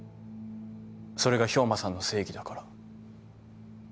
それが兵馬さんの正義だから。